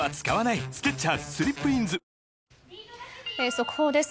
速報です。